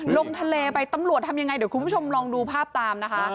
ลงทะเลไปตำรวจทำยังไงเดี๋ยวคุณผู้ชมลองดูภาพตามนะคะ